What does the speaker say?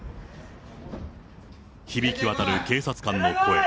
響き渡る警察官の声。